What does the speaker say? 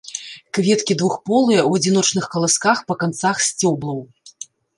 Кветкі двухполыя, у адзіночных каласках па канцах сцёблаў.